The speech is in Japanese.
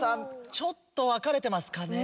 ちょっと分かれてますかね。